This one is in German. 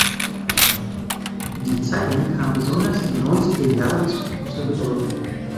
Die Zeitung kam besonders in den Neunziger Jahren zu großer Bedeutung.